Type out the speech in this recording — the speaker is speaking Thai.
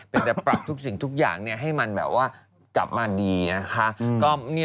เป็นแต่ปรับสิ่งให้มันกลับมาดี